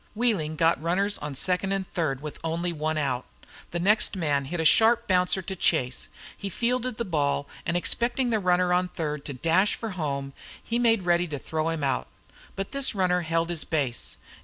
Wheeling got runners on second and third, with only one out. The next man hit a sharp bouncer to Chase. He fielded the ball, and expecting the runner on third to dash for home he made ready to throw him out. But this runner held his base.